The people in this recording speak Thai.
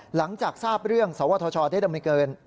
หลังจากทราบเรื่องสวทชได้ดำเนิน